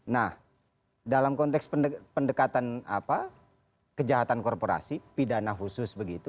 nah dalam konteks pendekatan kejahatan korporasi pidana khusus begitu